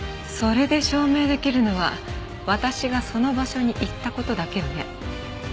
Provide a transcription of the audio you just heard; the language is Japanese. それで証明できるのは私がその場所に行った事だけよね。